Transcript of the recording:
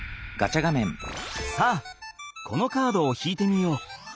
さあこのカードを引いてみよう！